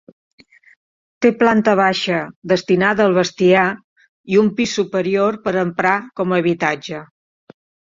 Té planta baixa, destinada al bestiar, i un pis superior per emprar com a habitatge.